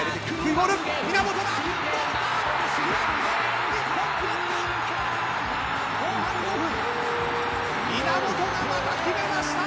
後半５分稲本が、また決めました！